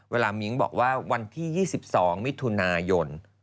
มิ้งบอกว่าวันที่๒๒มิถุนายน